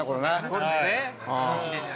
そうですね。